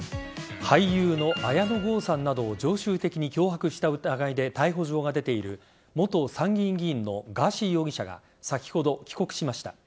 俳優の綾野剛さんなどを常習的に脅迫した疑いで逮捕状が出ている元参議院議員のガーシー容疑者が先ほど帰国しました。